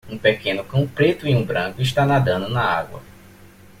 Um pequeno cão preto e branco está nadando na água.